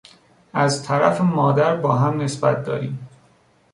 از طرف مادر باهم نسبت داریم.